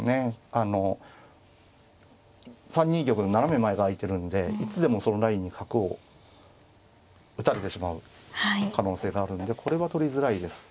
あの３二玉の斜め前が空いてるんでいつでもそのラインに角を打たれてしまう可能性があるんでこれは取りづらいです。